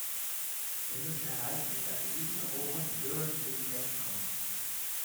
Wir müssen erreichen, dass in diesem Europa die Bürger zu ihrem Recht kommen.